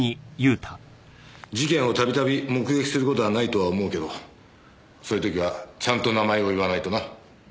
事件を度々目撃する事はないとは思うけどそういう時はちゃんと名前を言わないとな。